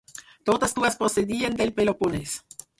Totes dues procedien del Peloponès.